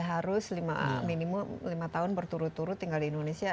harus minimum lima tahun berturut turut tinggal di indonesia